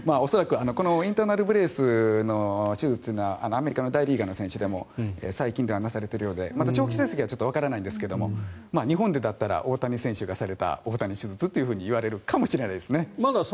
恐らくインターナル・ブレースの手術がアメリカの大リーガーの選手でも最近ではなされているようで長期成績はわからないんですが日本だったら大谷選手がされた大谷手術って言われるかもしれないですね。